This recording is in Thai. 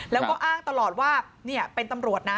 แล้วก็อ้างตลอดว่าเป็นตำรวจนะ